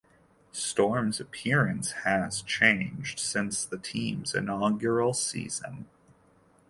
Storm's appearance has changed since the team's inaugural season.